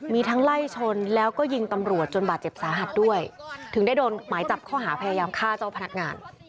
มีทั้งไล่ชนแล้วก็ยิงตำรวจจนบาดเจ็บสาหัสด้วยถึงได้โดนหมายจับข้อหาพยายามฆ่าเจ้าพนักงาน